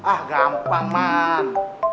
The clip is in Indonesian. ah gampang man